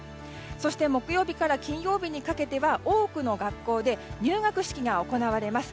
そして木曜日から金曜日にかけて多くの学校で入学式が行われます。